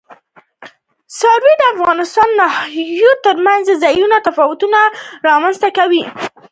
خاوره د افغانستان د ناحیو ترمنځ ځینې تفاوتونه رامنځ ته کوي.